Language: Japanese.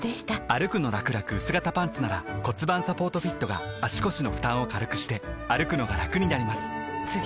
「歩くのらくらくうす型パンツ」なら盤サポートフィットが足腰の負担を軽くしてくのがラクになります覆个△